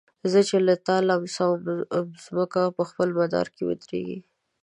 زه چي تا لمسوم مځکه په خپل مدار کي ودريږي